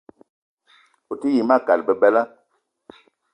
O te yi ma kat bebela.